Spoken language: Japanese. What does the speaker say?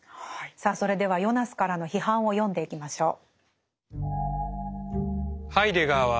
さあそれではヨナスからの批判を読んでいきましょう。